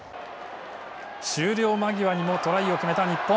終了間際にもトライを決めた日本。